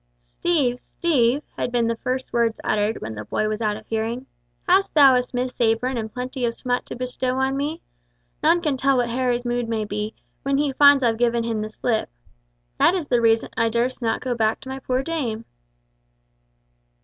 "Steve, Steve," had been the first words uttered when the boy was out of hearing, "hast thou a smith's apron and plenty of smut to bestow on me? None can tell what Harry's mood may be, when he finds I've given him the slip. That is the reason I durst not go to my poor dame."